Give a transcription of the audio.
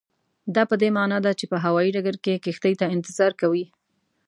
دا پدې معنا ده چې په هوایي ډګر کې کښتۍ ته انتظار کوئ.